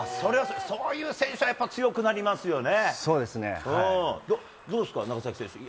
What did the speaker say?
そういう選手はやっぱ強くなりますよね。